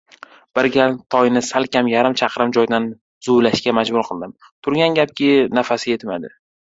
Bir gal Toyni salkam yarim chaqirim joydan zuvlashga majbur qildim. Turgan gapki, nafasi yetmadi.